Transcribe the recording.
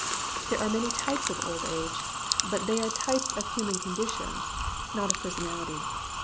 There are many types of old age ; but they are types of human conditions, not of personality.